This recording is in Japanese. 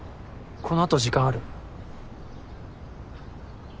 この後時間ある？